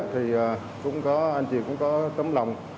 thì anh chị cũng có tấm lòng